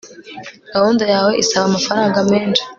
gahunda yawe isaba amafaranga menshi